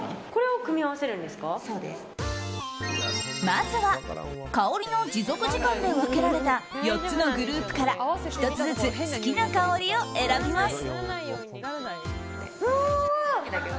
まずは香りの持続時間で分けられた４つのグループから１つずつ好きな香りを選びます。